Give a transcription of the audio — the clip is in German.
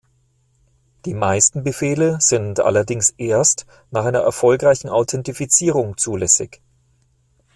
Die meisten Befehle sind allerdings erst nach einer erfolgreichen Authentifizierung zulässig.